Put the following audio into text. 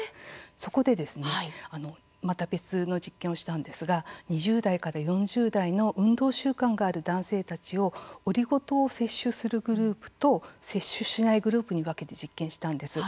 そこでまた別の実験をしたんですが２０代から４０代の運動習慣がある男性たちをオリゴ糖を摂取するグループと摂取しないグループに分けて実験したんです。